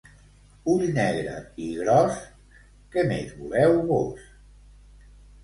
Ull negre i gros, què més voleu vós?